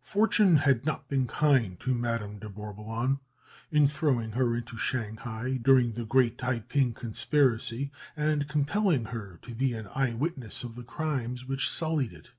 Fortune had not been kind to Madame de Bourboulon in throwing her into Shanghai during the great Taïping conspiracy, and compelling her to be an eye witness of the crimes which sullied it.